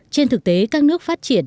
trên thực tế các nước phát triển